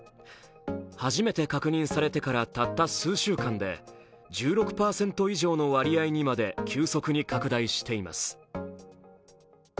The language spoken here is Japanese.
初めて確認されてからたった数週間で１６％以上の割合にまで急速に拡大しています。